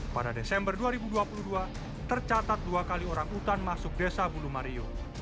pada desember dua ribu dua puluh dua tercatat dua kali orang utan masuk desa bulu mario